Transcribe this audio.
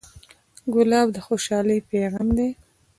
ګلاب د خوشحالۍ پیغام دی.